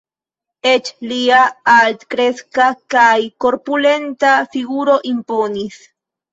Eĉ lia altkreska kaj korpulenta figuro imponis.